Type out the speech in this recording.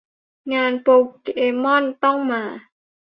งานโปเกมอนต้องมา